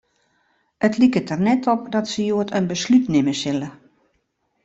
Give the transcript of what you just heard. It liket der net op dat se hjoed in beslút nimme sille.